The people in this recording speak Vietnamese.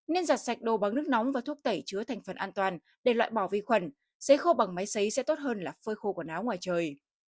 nên giặt sạch đồ bằng nước nóng và thuốc tẩy chứa thành phần an toàn để loại bỏ vi khuẩn xế khô bằng máy xấy sẽ tốt hơn là phơi khô quần áo ngoài trời